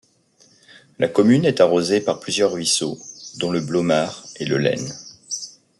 La commune est arrosée par plusieurs ruisseaux, dont le Blomard et le Leyne.